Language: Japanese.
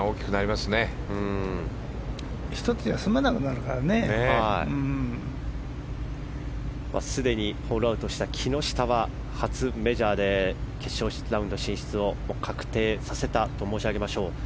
すでにホールアウトした木下は初メジャーで決勝ラウンド進出を確定させたと申し上げましょう。